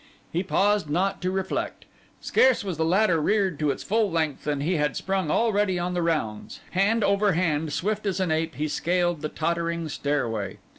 He paused not to reflect. Scarce was the ladder reared to its full length than he had sprung already on the rounds; hand over hand, swift as an ape, he scaled the tottering stairway.